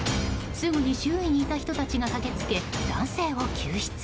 すぐに周囲にいた人たちが駆け付け、男性を救出。